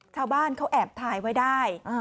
ชาวบ้านเขาแอบถ่ายไว้ได้